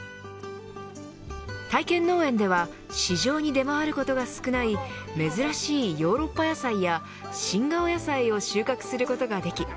体験農園では市場に出回ることが少ない珍しいヨーロッパ野菜や新顔野菜を収穫することができ